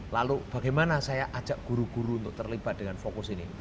lalu bagaimana saya ajak guru guru untuk terlibat dengan fokus ini